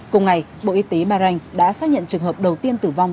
cùng ngày bộ y tế bahrain đã xác nhận trường hợp đầu tiên tử vong